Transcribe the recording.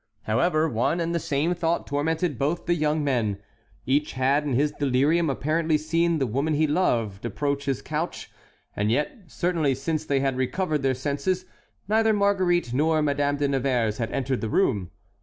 However, one and the same thought tormented both the young men. Each had in his delirium apparently seen the woman he loved approach his couch, and yet, certainly since they had recovered their senses, neither Marguerite nor Madame de Nevers had entered the room.